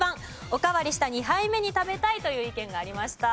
おかわりした２杯目に食べたいという意見がありました。